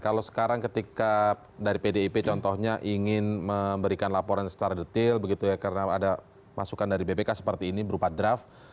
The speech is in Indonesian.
kalau sekarang ketika dari pdip contohnya ingin memberikan laporan secara detail begitu ya karena ada masukan dari bpk seperti ini berupa draft